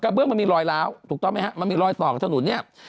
เบื้องมันมีรอยล้าวถูกต้องไหมฮะมันมีรอยต่อกับถนนเนี่ย